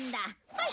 はい！